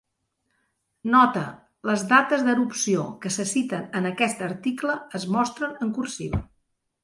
Nota: Les dates d'erupció que se citen en aquest article es mostren en cursiva.